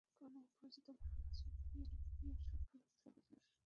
কোনো অপরিচিত লোকের জন্য সকাল থেকে সন্ধ্যা উপোস থেকে পাঠ করছে।